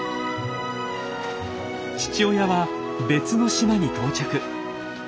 父親は別の島に到着。